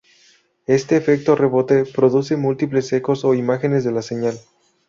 Este efecto rebote produce múltiples ecos o imágenes de la señal.